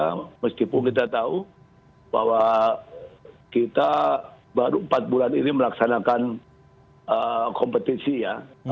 ya meskipun kita tahu bahwa kita baru empat bulan ini melaksanakan kompetisi ya